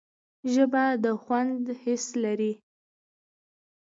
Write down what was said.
ژبه د خوند حس لري